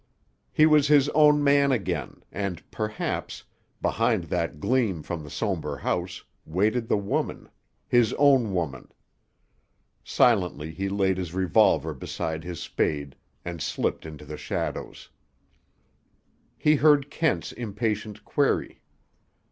He was his own man again, and, perhaps, behind that gleam from the somber house, waited the woman—his own woman. Silently he laid his revolver beside his spade, and slipped into the shadows. He heard Kent's impatient query.